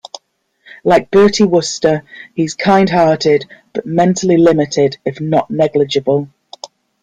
Like Bertie Wooster he's kind hearted but mentally limited, if not negligible.